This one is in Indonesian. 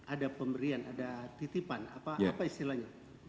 ada pemberian ada titipan apa istilahnya